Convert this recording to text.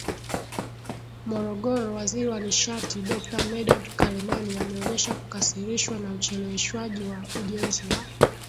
Morogoro Waziri wa nishati Dokta Medard Kalemani ameonyesha kukasirishwa na ucheleweshwaji wa ujenzi wa